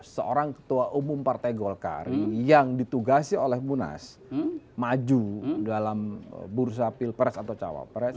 seorang ketua umum partai golkar yang ditugasi oleh munas maju dalam bursa pilpres atau cawapres